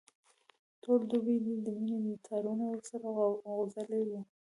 ټوله دوبي دي د مینې تارونه ورسره غځولي وو.